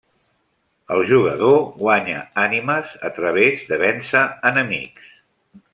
El jugador guanya ànimes a través de vèncer enemics.